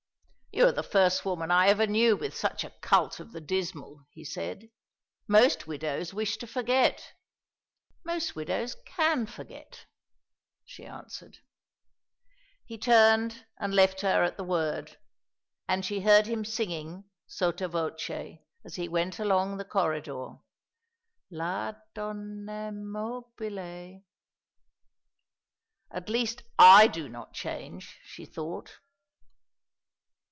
"You are the first woman I ever knew with such a cult of the dismal," he said. "Most widows wish to forget." "Most widows can forget," she answered. He turned and left her at the word; and she heard him singing sotto voce as he went along the corridor, "La donna e mobile." "At least I do not change," she thought.